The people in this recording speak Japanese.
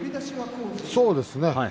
そうですね。